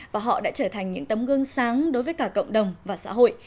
và họ đã trở thành những tấm gương sáng đối với cả cộng đồng và xã hội